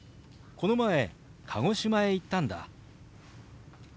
この前鹿児島へ行ったんだ。